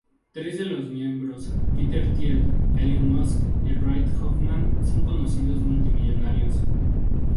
Tres de los miembros, Peter Thiel, Elon Musk, y Reid Hoffman son conocidos multimillonarios.